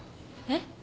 えっ？